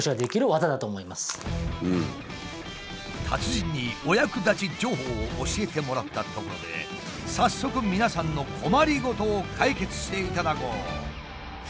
達人にお役立ち情報を教えてもらったところで早速皆さんの困り事を解決していただこう！